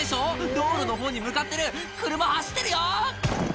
道路の方に向かってる車走ってるよ！